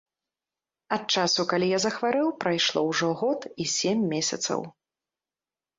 Ад часу, калі я захварэў, прайшло ўжо год і сем месяцаў.